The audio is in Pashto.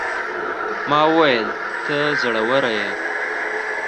ما وويل: ته زړوره يې.